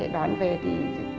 đón về thì